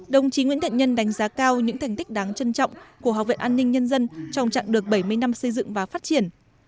đồng chí nguyễn thiện nhân đánh giá cao những thành tích đáng trân trọng của học viện an ninh nhân dân trong chặng đường bảy mươi năm xây dựng và phát triển